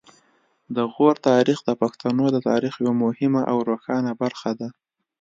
د غور تاریخ د پښتنو د تاریخ یوه مهمه او روښانه برخه ده